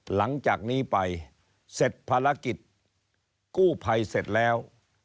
หลังจากนี้ไปเสร็จภารกิจกู้ภัยเสร็จแล้ว